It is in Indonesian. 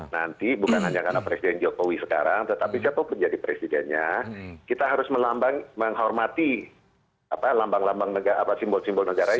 nanti bukan hanya karena presiden jokowi sekarang tetapi siapapun jadi presidennya kita harus menghormati lambang lambang simbol simbol negara ini